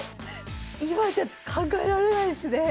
今じゃ考えられないですね。